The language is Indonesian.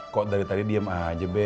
kok dari tadi diem aja be